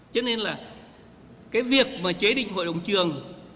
cho nên là cái việc mà chế định hội đồng trường